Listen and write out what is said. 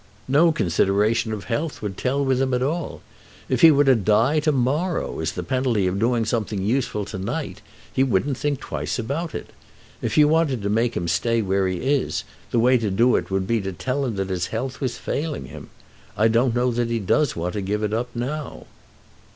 No consideration of health would tell with him at all. If he were to die to morrow as the penalty of doing something useful to night, he wouldn't think twice about it. If you wanted to make him stay where he is, the way to do it would be to tell him that his health was failing him. I don't know that he does want to give up now."